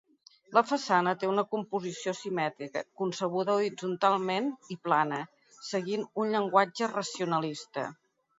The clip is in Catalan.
La façana té una composició simètrica, concebuda horitzontalment i plana, seguint un llenguatge racionalista.